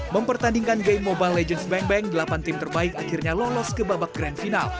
mempertandingkan game mobile legends bang bank delapan tim terbaik akhirnya lolos ke babak grand final